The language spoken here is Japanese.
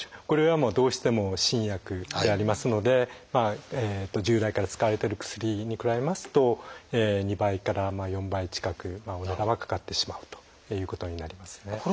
これはどうしても新薬でありますので従来から使われてる薬に比べますと２倍から４倍近くお値段はかかってしまうということになりますね。